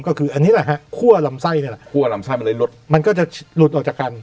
ก็คืออันนี้แหละฮะคั่วลำไส้เนี่ยมันก็จะลุดออกจากกัน